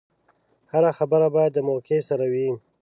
هره خبره باید د موقع سره وي.